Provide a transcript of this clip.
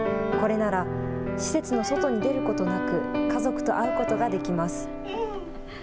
これなら、施設の外に出ることなく、家族と会うことができます。